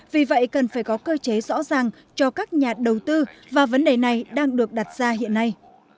vì vậy cần phải có cơ chế rõ ràng cho các nhà đầu tư và vấn đề này đang được đặt ra hiện nay